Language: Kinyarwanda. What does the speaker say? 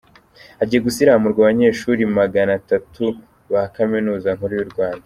Hagiye gusiramurwa abanyeshuri maganatatu ba Kaminuza Nkuru y’u Rwanda